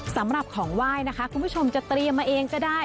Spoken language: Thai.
สำหรับของไหว้นะคะคุณผู้ชมจะเตรียมมาเองก็ได้